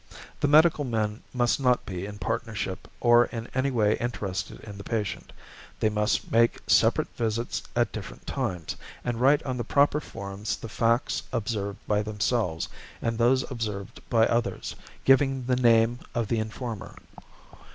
The medical men must not be in partnership or in any way interested in the patient; they must make separate visits at different times, and write on the proper forms the facts observed by themselves and those observed by others, giving the name of the informer.